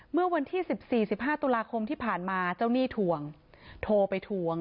เมื่อวันที่๑๔๑๕ตุลาคมที่ผ่านมาเจ้าหนี้ทวงโทรไปทวง